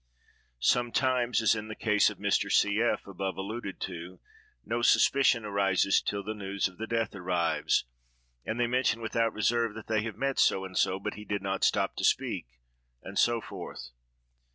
Sometimes, as in the case of Mr. C—— F——, above alluded to, no suspicion arises till the news of the death arrives; and they mention, without reserve, that they have met so and so, but he did not stop to speak, and so forth.